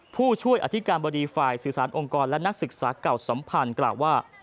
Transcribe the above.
ผู้ช่วยอธิการบดีฝ่ายสื่อสารองค์กรและนักศึกษาเก่าสัมพันธ์กล่าวว่า